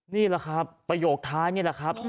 นี่แหละครับประโยคท้ายนี่แหละครับ